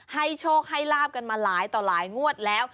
โชคให้ลาบกันมาหลายต่อหลายงวดแล้ว